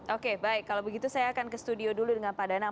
oke baik kalau begitu saya akan ke studio dulu dengan pak danang